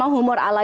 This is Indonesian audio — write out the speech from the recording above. kalau kita lihat